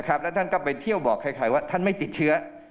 แล้วท่านก็ไปเที่ยวบอกใครว่าท่านไม่ติดเชื้อ